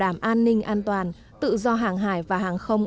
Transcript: một mét vuông